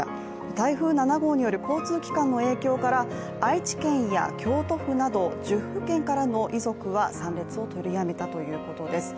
台風７号による交通機関の影響から愛知県や京都府など１０府県からの遺族は参列を取りやめたということです。